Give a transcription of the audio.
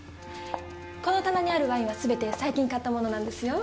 この棚にあるワインはすべて最近買ったものなんですよ。